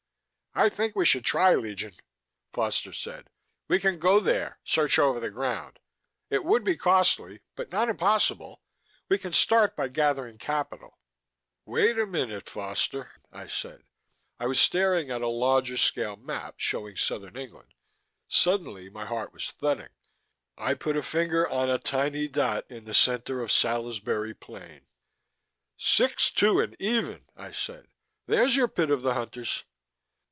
"I think we should try, Legion," Foster said. "We can go there, search over the ground. It would be costly, but not impossible. We can start by gathering capital " "Wait a minute, Foster," I said. I was staring at a larger scale map showing southern England. Suddenly my heart was thudding. I put a finger on a tiny dot in the center of Salisbury Plain. "Six, two and even," I said. "There's your Pit of the Hunters...."